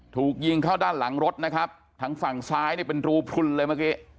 ถูกยิงเข้าด้านหลังรถนะครับทางฝั่งซ้ายเนี่ยเป็นรูพลุนเลยเมื่อกี้